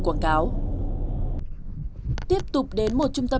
đáng tiếng việt thôi